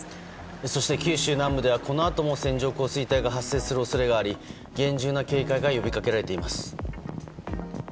そして、九州南部ではこのあとも線状降水帯が発生する恐れがあり厳重な警戒が呼びかけられています。